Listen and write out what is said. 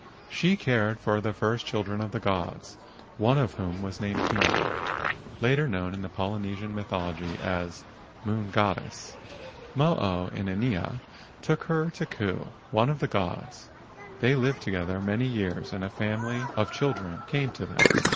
She cared for the first THE MAID OF THE GOLDEN CLOUD 117 children of the gods, one of whom was named Hina, later known in Polynesian mythology as Moon Goddess. Mo o inanea took her to Ku, one of the gods. They lived together many years and a family of children came to them.